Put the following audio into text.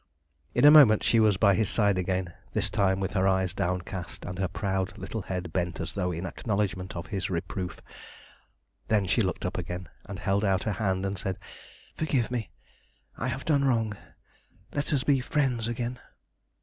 In a moment she was by his side again, this time with her eyes downcast and her proud little head bent as though in acknowledgment of his reproof. Then she looked up again, and held out her hand and said "Forgive me; I have done wrong! Let us be friends again!"